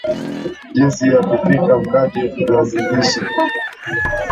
jinsi ya kupika mkate viazi lishe